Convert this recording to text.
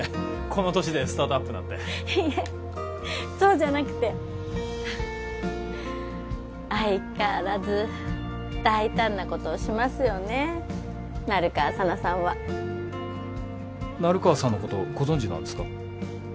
この年でスタートアップなんていえそうじゃなくて相変わらず大胆なことをしますよね成川佐奈さんは成川さんのことご存じなんですか？